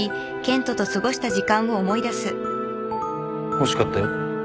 欲しかったよ